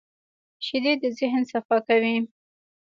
شیدې د ذهن صفا کوي